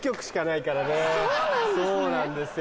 そうなんですね！